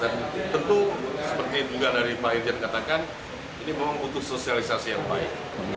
dan tentu seperti juga dari pak irjen katakan ini memang untuk sosialisasi yang baik